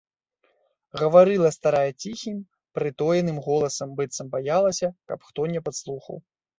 Гаварыла старая ціхім, прытоеным голасам, быццам баялася, каб хто не падслухаў.